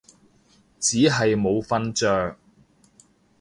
只係冇瞓着